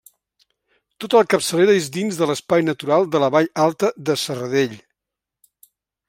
Tota la capçalera és dins de l'espai natural de la Vall Alta de Serradell.